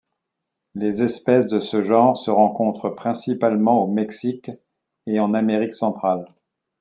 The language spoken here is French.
Les espèces de ce genre se rencontrent principalement au Mexique et en Amérique centrale.